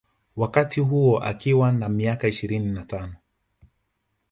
Wakati huo akiwa na miaka ishirini na tano